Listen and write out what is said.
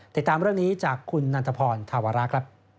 ติดตามเรื่องนี้จากคุณนันทพรธาวระครับ